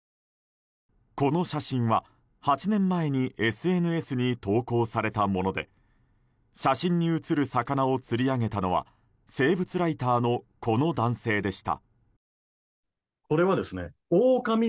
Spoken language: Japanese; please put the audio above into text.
この写真は８年前にＳＮＳに投稿されたもので写真に写る魚を釣り上げたのは生物ライターのこの男性でした。